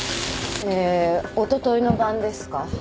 えーおとといの晩ですか。